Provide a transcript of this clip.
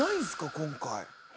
今回。